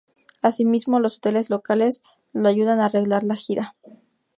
Asimismo, los hoteles locales lo ayudan a arreglar la gira.